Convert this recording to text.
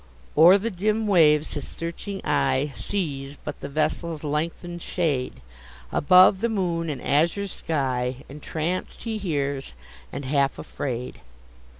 O'er the dim waves his searching eye Sees but the vessel's lengthen'd shade; Above—the moon and azure sky; Entranc'd he hears, and half afraid!